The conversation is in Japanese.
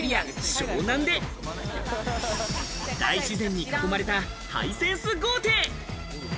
湘南で大自然に囲まれたハイセンス豪邸。